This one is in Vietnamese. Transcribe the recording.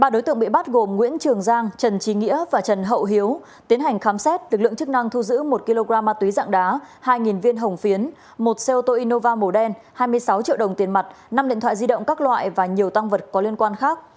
ba đối tượng bị bắt gồm nguyễn trường giang trần trí nghĩa và trần hậu hiếu tiến hành khám xét lực lượng chức năng thu giữ một kg ma túy dạng đá hai viên hồng phiến một xe ô tô innova màu đen hai mươi sáu triệu đồng tiền mặt năm điện thoại di động các loại và nhiều tăng vật có liên quan khác